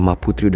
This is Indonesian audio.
kau ngerti woo